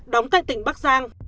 đóng tại tỉnh bắc giang